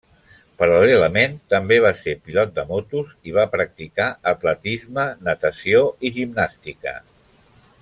Paral·lelament, també va ser pilot de motos i va practicar atletisme, natació i gimnàstica.